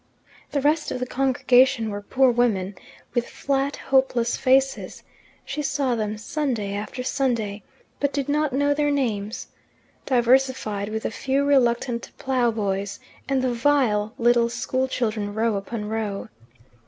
The rest of the congregation were poor women, with flat, hopeless faces she saw them Sunday after Sunday, but did not know their names diversified with a few reluctant plough boys, and the vile little school children row upon row.